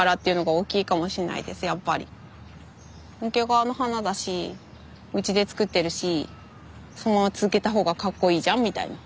桶川の花だしうちで作ってるしそのまま続けた方がかっこいいじゃんみたいな。